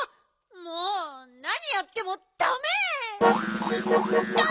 もうなにやってもダメ！